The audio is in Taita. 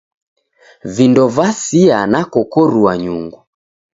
Vindo vasia nakokorua nyungu.